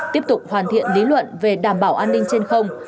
tiếp tục hoàn thiện lý luận về đảm bảo an ninh trên không